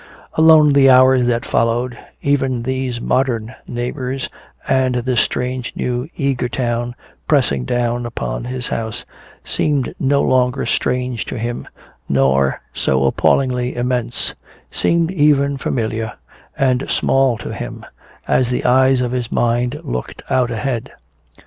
Alone in the hours that followed, even these modern neighbors and this strange new eager town pressing down upon his house seemed no longer strange to him nor so appallingly immense, seemed even familiar and small to him, as the eyes of his mind looked out ahead.